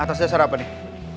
atas dasar apa nih